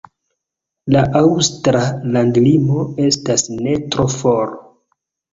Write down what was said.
La aŭstra landlimo estas ne tro for.